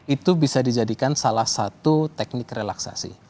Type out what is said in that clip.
itu bisa dijadikan salah satu teknik relaksasi